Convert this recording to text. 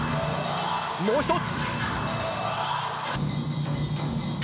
もう一つ。